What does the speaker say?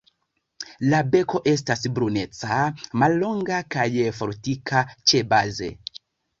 La beko estas bruneca, mallonga kaj fortika ĉebaze.